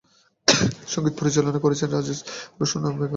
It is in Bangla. সংগীত পরিচালনা করেছেন রাজেশ রোশন, ব্যাকগ্রাউন্ড স্কোর সেলিম-সুলাইমান করেছিল।